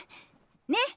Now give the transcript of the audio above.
ねっ？